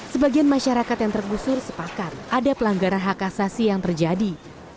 sebagian masyarakat yang tergusur sepakat ada pelanggaran hak asasi yang terjadi